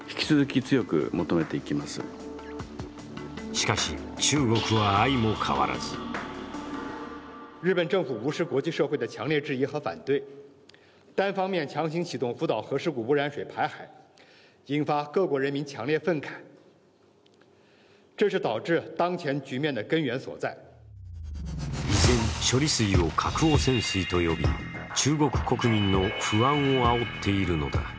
しかし中国は、相も変わらず依然、処理水を核汚染水と呼び中国国民の不安をあおっているのだ。